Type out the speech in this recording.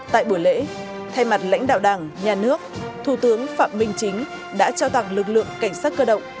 tại buổi lễ thay mặt lãnh đạo đảng nhà nước thủ tướng phạm minh chính đã trao tặng lực lượng cảnh sát cơ động